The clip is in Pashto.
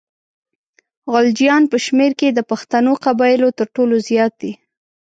غلجیان په شمېر کې د پښتنو قبایلو تر ټولو زیات دي.